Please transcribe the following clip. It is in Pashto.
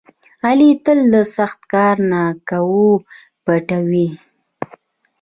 علي تل له سخت کار نه کونه پټوي.